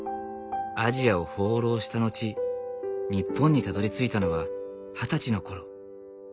アジアを放浪した後日本にたどりついたのは二十歳の頃。